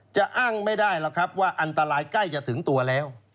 จะอ้างไม่ได้หรอกครับว่าอันตรายใกล้จะถึงตัวแล้ว